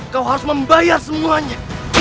kau harus membayar semuanya